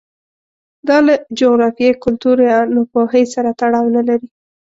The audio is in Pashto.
دا له جغرافیې، کلتور یا ناپوهۍ سره تړاو نه لري